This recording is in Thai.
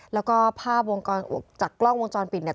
แล้วก็ภาพวงจากกล้องวงจรปิดเนี่ย